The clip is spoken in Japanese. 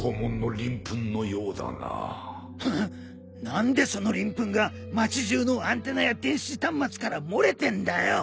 何でそのりん粉が街じゅうのアンテナや電子端末から漏れてんだよ！